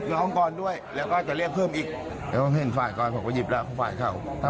พลังให้เพิ่มให้เพิ่มอีกเพราะผมเจ็บแล้วหอมส่วนเข้าถ้า